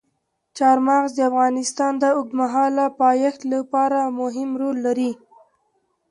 چار مغز د افغانستان د اوږدمهاله پایښت لپاره مهم رول لري.